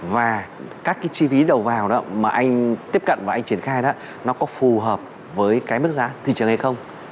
và các cái chi phí đầu vào đó mà anh tiếp cận và anh triển khai đó nó có phù hợp với cái mức giá thị trường hay không